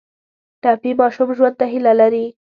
ټپي ماشوم ژوند ته هیله لري.